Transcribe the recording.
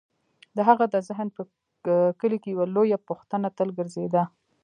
د هغه د ذهن په کلي کې یوه لویه پوښتنه تل ګرځېده: